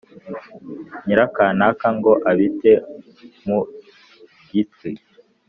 Nyirakanaka ngo abite mu gitwi